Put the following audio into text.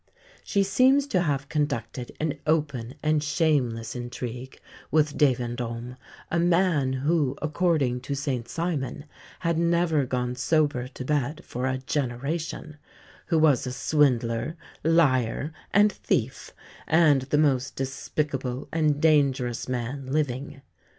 She seems to have conducted an open and shameless intrigue with De Vendôme a man who, according to St Simon, had never gone sober to bed for a generation, who was a swindler, liar, and thief, and the most despicable and dangerous man living.